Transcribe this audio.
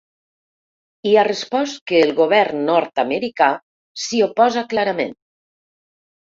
I ha respost que el govern nord-americà s’hi oposa clarament.